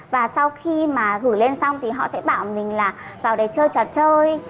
và sau khi mà gửi lên xong thì họ sẽ bảo mình là vào đấy chơi trò chơi